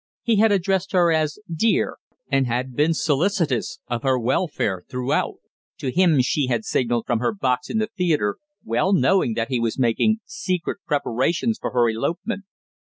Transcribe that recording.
He had addressed her as "dear," and had been solicitous of her welfare throughout! To him she had signalled from her box in the theatre, well knowing that he was making secret preparations for her elopement.